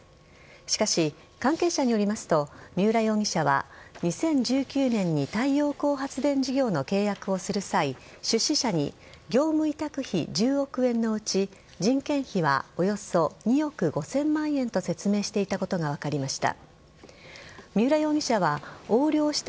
しかし、関係者によりますと三浦容疑者は２０１９年に太陽光発電事業の契約をする際出資者に業務委託費１０億円のうち人件費はおよそ２億５０００万円と説明していたことが分かりました。